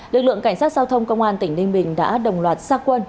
lực lượng cảnh sát giao thông công an tỉnh ninh bình đã đồng loạt xa quân